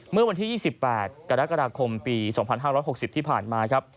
เมื่อวันที่๒๘กรกฎาคมปี๒๕๖๐ที่ผ่านมาครับ